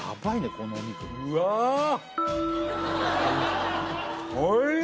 このお肉うわおいしい！